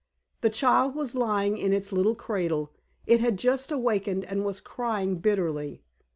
The child was lying in its little cradle; it had just awakened, and was crying bitterly.